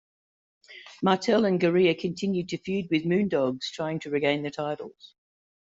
Martel and Garea continued to feud with Moondogs, trying to regain the titles.